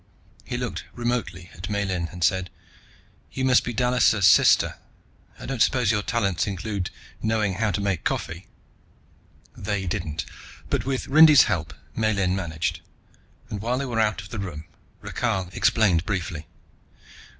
He looked remotely at Miellyn and said, "You must be Dallisa's sister? I don't suppose your talents include knowing how to make coffee?" They didn't, but with Rindy's help Miellyn managed, and while they were out of the room Rakhal explained briefly.